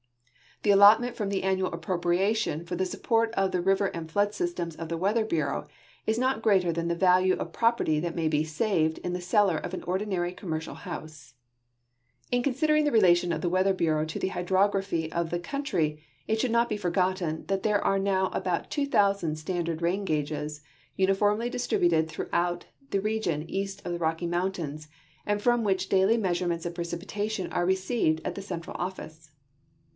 The allotment from the annual appropriation for the support of the river and flood system of the Weather Bureau is not greater than the A'alue of property that may be saA'ed in the cellar of an ordinary commercial house. In considering the relation of the Weather Bureau to the liydrography of tlie country it sliould not be forgotten that there are noAV about 2,000 standard rain gauges uniformly distributed throughout the region east of the Rocky mountains from Avlncli daily measurements of precipitation are received at the central oflice.